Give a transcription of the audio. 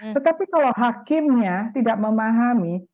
tetapi kalau hakimnya tidak memahami